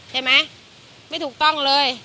ใช่ไหมไม่ถูกต้องเลย